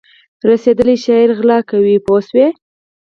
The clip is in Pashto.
رسېدلی شاعر غلا کوي پوه شوې!.